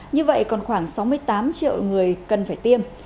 như vậy còn khoảng sáu mươi tám triệu người cần phải tiêm